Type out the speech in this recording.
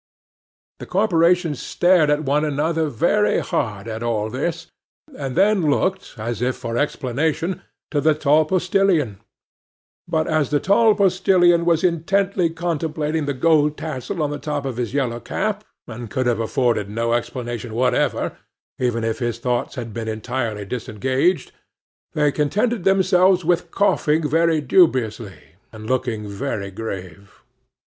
The corporation stared at one another very hard at all this, and then looked as if for explanation to the tall postilion, but as the tall postilion was intently contemplating the gold tassel on the top of his yellow cap, and could have afforded no explanation whatever, even if his thoughts had been entirely disengaged, they contented themselves with coughing very dubiously, and looking very grave.